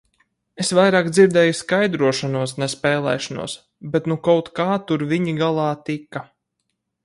Es vairāk dzirdēju skaidrošanos, ne spēlēšanos, bet nu kaut kā tur viņi galā tika.